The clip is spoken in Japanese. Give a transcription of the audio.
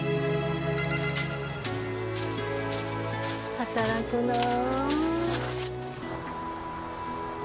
働くなあ。